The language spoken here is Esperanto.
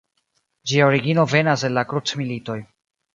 Ĝia origino venas el la Krucmilitoj.